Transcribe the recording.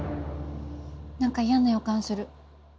何か嫌な予感する。